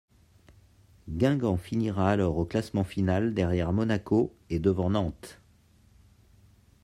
Guingamp finira alors au classement final derrière Monaco et devant Nantes.